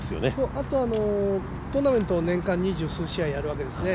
あと、トーナメント年間二十数試合やるわけですね。